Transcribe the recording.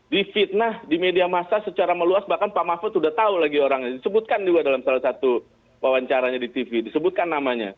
di fitnah di media masa secara meluas bahkan pak mahfud sudah tahu lagi orangnya disebutkan juga dalam salah satu wawancaranya di tv disebutkan namanya